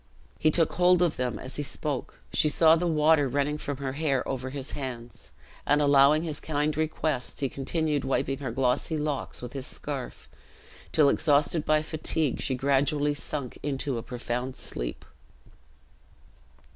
He took hold of them as he spoke. She saw the water running from her hair over his hands, and allowing his kind request, he continued wiping her glossy locks with his scarf, till, exhausted by fatigue, she gradually sunk into a profound sleep.